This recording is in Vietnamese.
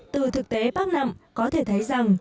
từ thực tế bác nặng có thể thấy rằng